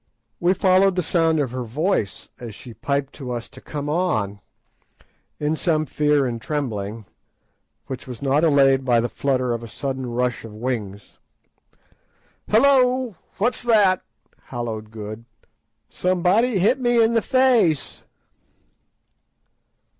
We followed the sound of her voice as she piped to us to come on, in some fear and trembling, which was not allayed by the flutter of a sudden rush of wings. "Hullo! what's that?" halloed Good; "somebody hit me in the face."